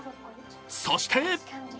そして！